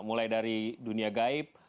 mulai dari dunia gaib